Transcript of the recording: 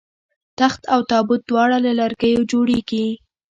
تخت او تابوت دواړه له لرګیو جوړیږي